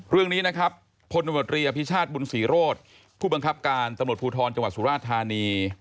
เรื่องนี้นะครับพลตำรวจรีอภิชาติบุญศรีโรธผู้บังคับการตำรวจภูทรจังหวัดสุราธานี